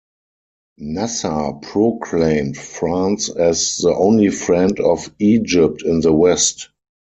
Nasser proclaimed France as the only friend of Egypt in the West.